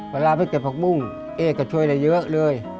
เวลาไปเก็บผักบุ้งเอ๊ก็ช่วยได้เยอะเลย